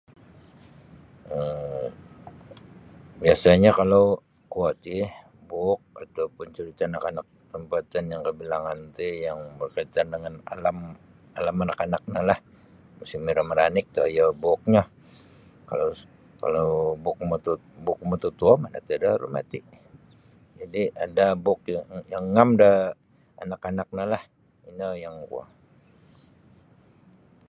um biasanyo kalau kuo ti buuk atau pun carita' anak-anak tampatan yang kabilangan ti yang berkaitan dengan alam alam kanak-kanak no lah musim iro maranik toyo buuknyo kalau kalau buuk mutu buuk mututuo mana at iro rumati' ada buuk yang ngam da anak-anak no lah ino yang kuo.